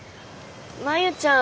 真夕ちゃん